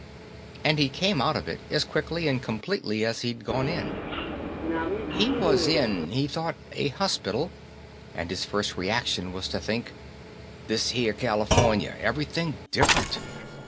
And he came out of it as quickly and completely as he'd gone in. He was in, he thought, a hospital and his first reaction was to think, _This here California. Everything different.